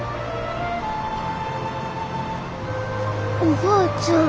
おばあちゃん。